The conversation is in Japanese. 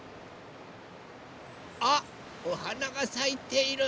あっおはながさいている。